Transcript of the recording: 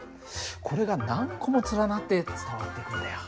これが何個も連なって伝わっていくんだよ。